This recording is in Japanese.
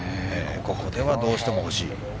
ここではどうしても欲しい。